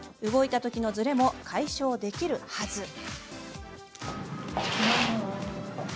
動いたときのずれも解消できるはず。